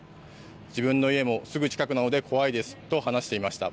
自分の家もすぐ近くなので怖いですと話していました。